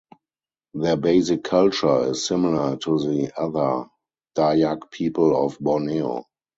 Their basic culture is similar to the other Dayak people of Borneo.